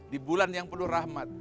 di bulan yang penuh rahmat